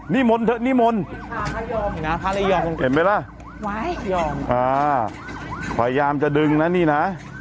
นี่มนเถอะนี่มนเห็นไหมล่ะยอมอ่าพยายามจะดึงนะนี่น่ะ